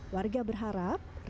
warga berharap repites